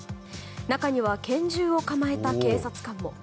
中には拳銃を構えた警察官も。